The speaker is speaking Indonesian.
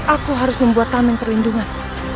aku harus membuat tameng perlindungan